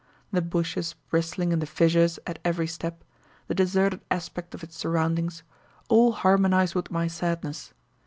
The bushes bristling in the fissures at every step, the deserted aspect of its surroundings, all harmonized with my sadness.